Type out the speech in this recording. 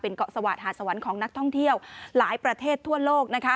เกาะสวาสหาดสวรรค์ของนักท่องเที่ยวหลายประเทศทั่วโลกนะคะ